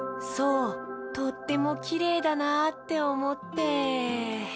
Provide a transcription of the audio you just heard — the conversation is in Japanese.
そうとってもきれいだなっておもって。